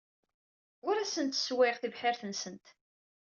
Ur asent-sswayeɣ tibḥirt-nsent.